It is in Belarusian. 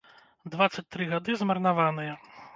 Дваццаць тры гады змарнаваныя.